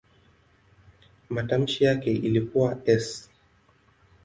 Matamshi yake ilikuwa "s".